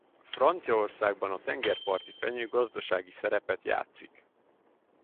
Franciaországban a tengerparti fenyő gazdasági szerepet játszik.